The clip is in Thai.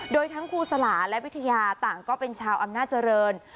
โดยทั้งครูสลาและวิทยาต่างก็เป็นชาวอำนาจริง